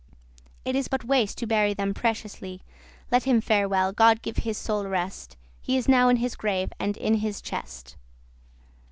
It is but waste to bury them preciously. Let him fare well, God give his soule rest, He is now in his grave and in his chest.